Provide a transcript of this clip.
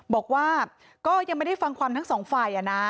บอกว่าก็ยังไม่ได้ฟังความทั้งสองฝ่ายนะ